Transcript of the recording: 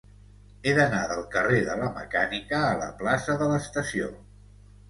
He d'anar del carrer de la Mecànica a la plaça de l'Estació.